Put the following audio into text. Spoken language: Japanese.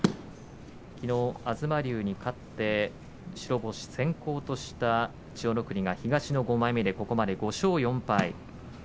きのう東龍に勝って白星先行とした千代の国が東の５枚目でここまで５勝４敗。